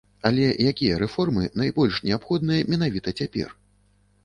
Але якія рэформы найбольш неабходныя менавіта цяпер?